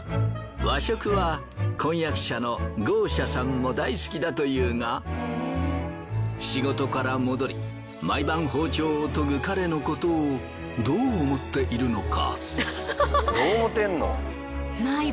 和食は婚約者のゴーシャさんも大好きだというが仕事から戻り毎晩包丁を研ぐ彼のことをどう思っているのか。